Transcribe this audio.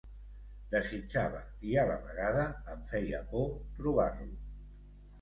Desitjava, i a la vegada em feia por, trobar-lo.